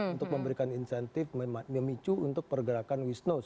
untuk memberikan insentif memicu untuk pergerakan wisnos